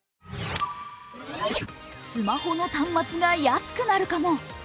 スマホの端末が安くなるかも。